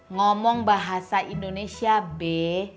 ngomong bahasa indonesia be